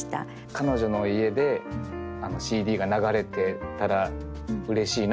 彼女の家でＣＤが流れてたらうれしいなって読んで思いました。